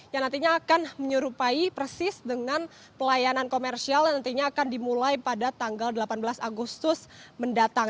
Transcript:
yang nantinya akan menyerupai persis dengan pelayanan komersial yang nantinya akan dimulai pada tanggal delapan belas agustus mendatang